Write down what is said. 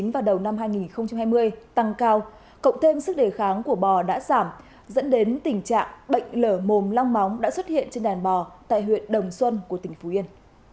vào đầu năm hai nghìn hai mươi tăng cao cộng thêm sức đề kháng của bò đã giảm dẫn đến tình trạng bệnh lở mồm long móng đã xuất hiện trên đàn bò tại huyện đồng xuân của tỉnh phú yên